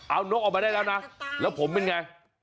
เอานกออกมาได้แล้วนะแล้วผมเป็นไง